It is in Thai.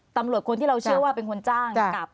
ตำรวจคนที่เราเชื่อว่าเป็นคนจ้างกับ